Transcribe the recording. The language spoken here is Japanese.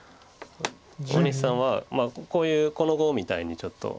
大西さんはこういうこの碁みたいにちょっと。